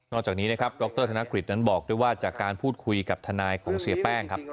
จากนี้นะครับดรธนกฤษนั้นบอกด้วยว่าจากการพูดคุยกับทนายของเสียแป้งครับ